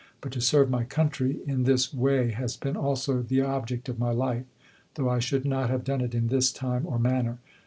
But to serve my country in this way has been also the object of my life, though I should not have done it in this time or manner.